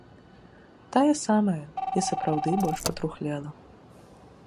Тая самая, і сапраўды больш патрухлела.